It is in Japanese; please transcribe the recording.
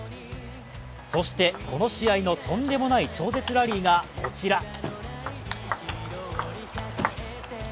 そしてこの試合のとんでもない超絶ラリーがこちら！